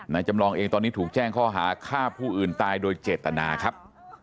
จำลองเองตอนนี้ถูกแจ้งข้อหาฆ่าผู้อื่นตายโดยเจตนาครับ